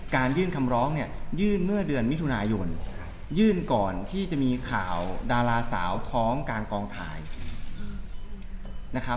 ยื่นคำร้องเนี่ยยื่นเมื่อเดือนมิถุนายนยื่นก่อนที่จะมีข่าวดาราสาวท้องกลางกองถ่ายนะครับ